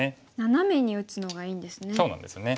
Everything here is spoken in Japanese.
ナナメに打つのがいいんですね。